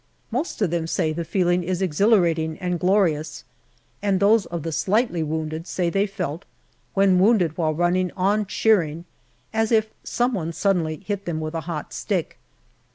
Most of them say the feeling is exhilarating and glorious, and those of the slightly wounded say they felt, when wounded while running on cheering, as if some one suddenly hit them with a hot stick.